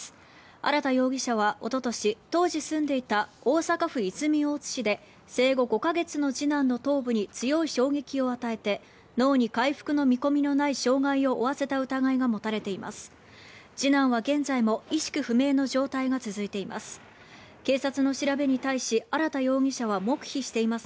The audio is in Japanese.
荒田容疑者はおととし当時住んでいた大阪府泉大津市で生後５か月の次男の頭部に強い衝撃を与えて脳に回復の見込みのない傷害を負わせた疑いが持たれています。